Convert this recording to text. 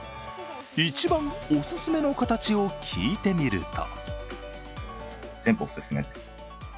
一番お勧めの形を聞いてみると？